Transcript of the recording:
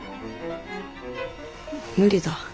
無理だ。